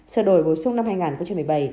sửa đổi bổ sung năm hai nghìn một mươi bảy